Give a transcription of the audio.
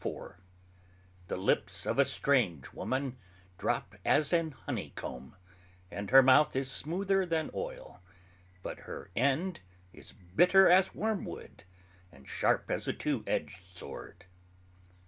_The lips of a strange woman drop as an honey comb, and her mouth is smoother then oyl: But her end is bitter as wormwood, and sharp as a two edged sword.